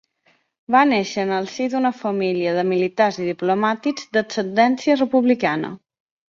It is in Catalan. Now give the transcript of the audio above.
Va néixer en el si d'una família de militars i diplomàtics d'ascendència republicana.